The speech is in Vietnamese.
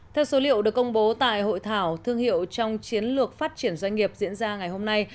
theo số liệu được công bố tại hội thảo thương hiệu trong chiến lược phát triển doanh nghiệp diễn ra ngày hôm nay